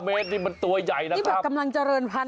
เมตรนี่มันตัวใหญ่นะนี่แบบกำลังเจริญพันธ